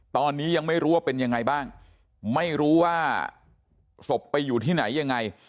ตอนนี้ยังไม่รู้ว่าเป็นยังไงบ้างไม่รู้ว่าศพไปอยู่ที่ไหนยังไง